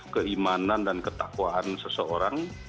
keimanan dan ketakwaan seseorang